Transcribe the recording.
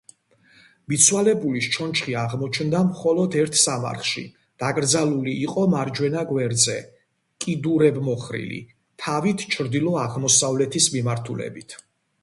მიცვალებულის ჩონჩხი აღმოჩნდა მხოლოდ ერთ სამარხში: დაკრძალული იყო მარჯვენა გვერდზე, კიდურებმოხრილი, თავით ჩრდილო-აღმოსავლეთის მიმართულებით.